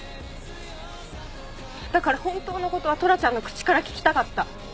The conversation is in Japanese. だから本当の事はトラちゃんの口から聞きたかった。